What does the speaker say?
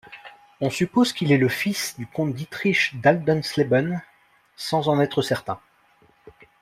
On suppose qu'il est le fils du comte Dietrich d’Haldensleben, sans en être certain.